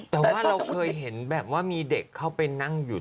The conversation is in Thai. แต่ว่าเราเคยเห็นแบบว่ามีเด็กเข้าไปนั่งอยู่